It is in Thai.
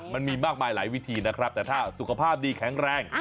มันมีมากมายหลายวิธีนะครับแต่ถ้าสุขภาพดีแข็งแรง